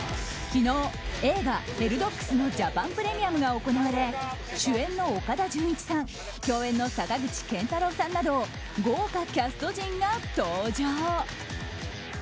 昨日、映画「ヘルドッグス」のジャパンプレミアムが行われ主演の岡田准一さん共演の坂口健太郎さんなど豪華キャスト陣が登場。